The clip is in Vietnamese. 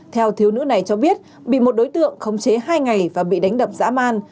theo thiếu nữ này cho biết bị một đối tượng khống chế hai ngày và bị đánh đập dã man